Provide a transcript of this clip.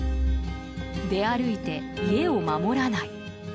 出歩いて家を守らない。